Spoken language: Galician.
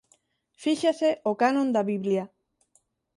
Fíxase o canon da Biblia.